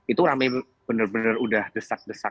itu rame benar benar udah desak desak